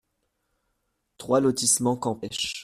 trois lotissement Campêche